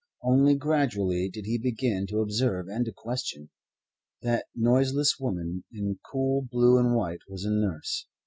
Only gradually did he begin to observe and to question. That noiseless woman in coot blue and white was a nurse.